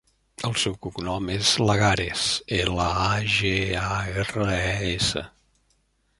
El seu cognom és Lagares: ela, a, ge, a, erra, e, essa.